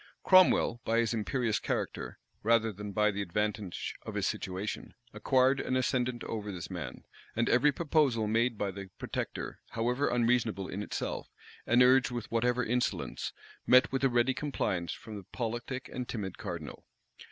Cromwell, by his imperious character, rather than by the advantage of his situation, acquired an ascendant over this man; and every proposal made by the protector, however unreasonable in itself, and urged with whatever insolence, met with a ready compliance from the politic and timid cardinal.